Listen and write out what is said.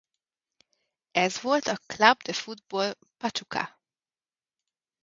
Ez volt a Club de Fútbol Pachuca.